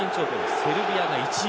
セルビアが１位。